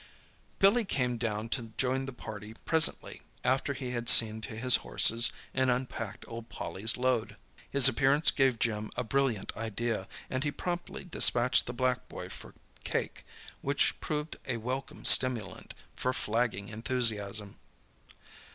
Billy came down to join the party presently, after he had seen to his horses and unpacked old Polly's load. His appearance gave Jim a brilliant idea, and he promptly despatched the black boy for cake, which proved a welcome stimulant to flagging enthusiasm.